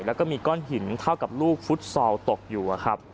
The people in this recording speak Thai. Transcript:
แล้วก็มีก้อนหินเท่ากับลูกฟุตซอลตกอยู่ครับ